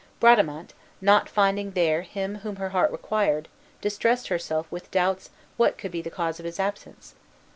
Bradamante, not finding there him whom her heart required, distressed herself with doubts what could be the cause of his absence.